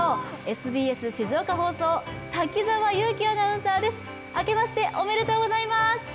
ＳＢＳ静岡放送滝澤悠希アナウンサーです。